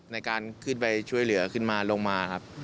ในการขึ้นไปช่วยเหลือขึ้นมาลงมาครับ